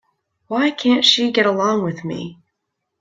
Why can't she get along with me?